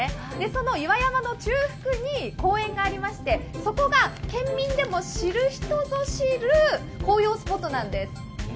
その岩山の中腹に公園がありまして、そこが県民でも知る人ぞ知る紅葉スポットなんです。